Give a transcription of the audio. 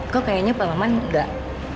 kok kayaknya pak maman enggak